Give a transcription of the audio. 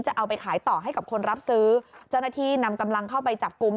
จะเอาไปขายต่อให้กับคนรับซื้อเจ้าหน้าที่นำกำลังเข้าไปจับกลุ่ม